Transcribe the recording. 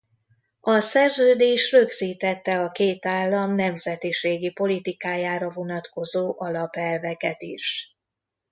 A szerződés rögzítette a két állam nemzetiségi politikájára vonatkozó alapelveket is.